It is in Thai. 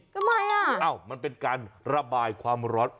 ทำไมอ่ะมันเป็นการระบายความร้อน